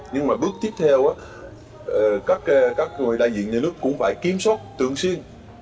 nhưng mà bước tiếp theo các người đại diện nhà nước cũng phải kiểm soát tương xuyên